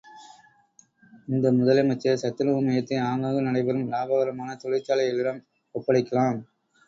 இந்த முதலமைச்சர் சத்துணவு மையத்தை ஆங்காங்கு நடைபெறும் லாபகரமான தொழிற்சாலைகளிடம் ஒப்படைக்கலாம்.